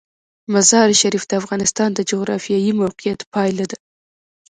مزارشریف د افغانستان د جغرافیایي موقیعت پایله ده.